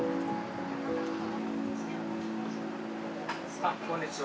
あっこんにちは。